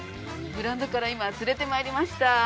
グラウンドから今、連れてまいりました。